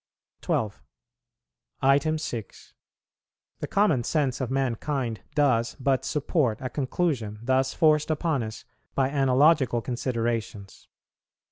12. 6. The common sense of mankind does but support a conclusion thus forced upon us by analogical considerations.